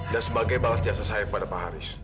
dan sebagai balas jasa saya kepada pak haris